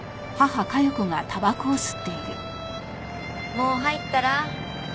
もう入ったら？